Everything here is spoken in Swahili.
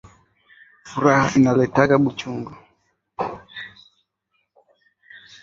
Furaha inaletaka buchungu